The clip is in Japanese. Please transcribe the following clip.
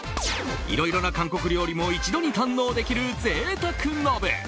いろいろな韓国料理も一度に堪能できる贅沢鍋。